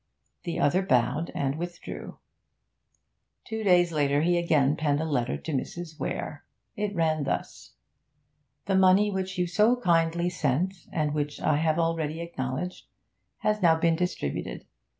The other bowed and withdrew. Two days later he again penned a letter to Mrs. Weare. It ran thus: 'The money which you so kindly sent, and which I have already acknowledged, has now been distributed.